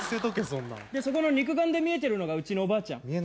そこの肉眼で見えてるのがうちのおばあちゃん。